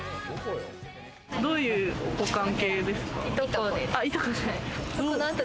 どういうご関係ですか？